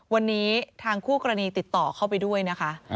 วันนี้ทางคู่กรณีติดต่อเข้าไปด้วยนะคะ